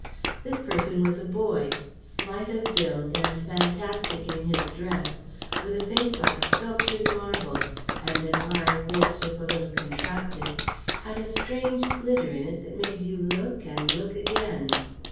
This person was a boy, slight of build, and fantastic in his dress, with a face like sculptured marble, and an eye which, if a little contracted, had a strange glitter in it that made you look and look again.